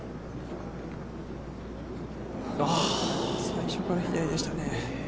最初から左でしたね。